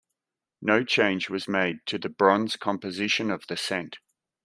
No change was made to the bronze composition of the cent.